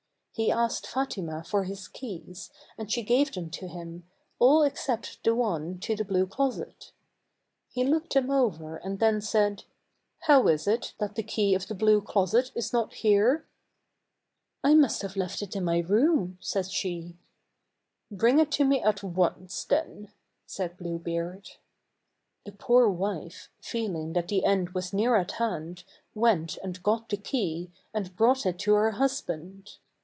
He asked Fatima for his keys, and she gave them to him, all except the one to the Blue Closet. He looked them over, and then said, " How is it that the key of the Blue Closet is not here ?" 274 BLUE BEARD. Tib FATIMA VAINLY BEGS FOR MERCY. BLUE BEARD. " I must have left it in my room," said she. " Bring it to me at once, then," said Blue Beard. The poor wife, feeling that the end was near at hand, went and got the key, and brought it to her husband.